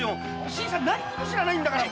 新さん何にも知らないんだから！